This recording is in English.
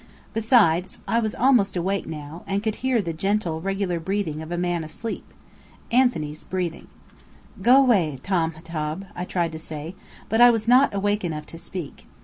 Besides, I was almost awake now, and I could hear the gentle, regular breathing of a man asleep: Anthony's breathing. "Go away, TAM HTAB," I tried to say, but I was not awake enough to speak.